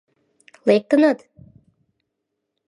— Лектыныт?!